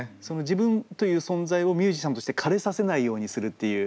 自分という存在をミュージシャンとしてかれさせないようにするっていう。